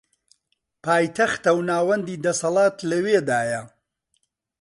پایتەختە و ناوەندی دەسەڵات لەوێدایە